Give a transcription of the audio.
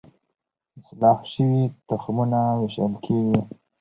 اصلاح شوي تخمونه ویشل کیږي.